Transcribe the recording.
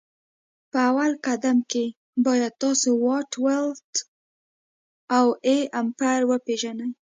په اول قدم کي باید تاسو واټ ولټ او A امپري وپيژني